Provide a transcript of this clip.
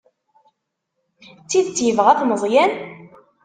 D tidet yebɣa-t Meẓyan?